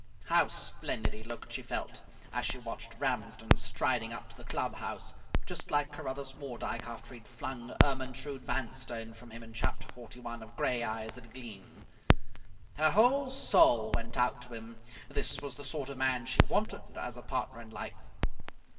How splendid he looked, she felt, as she watched Ramsden striding up to the club house just like Carruthers Mordyke after he had flung Ermyntrude Vanstone from him in chapter forty one of "Gray Eyes That Gleam". Her whole soul went out to him. This was the sort of man she wanted as a partner in life.